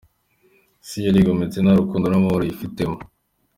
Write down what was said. Isi yarigometse, nta rukundo n’amahoro yifitemo.